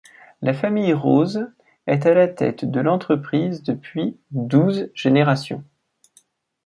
La famille Roze est à la tête de l'entreprise depuis douze générations.